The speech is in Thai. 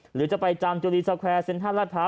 หรือจะไปจามจุลีสเกวร์เซ็นทรัสพร้าว